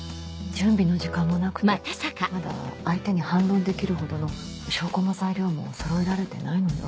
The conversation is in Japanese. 準備の時間もなくてまだ相手に反論できるほどの証拠も材料もそろえられてないのよ。